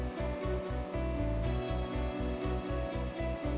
sampai jumpa di video selanjutnya